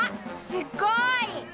すっごい！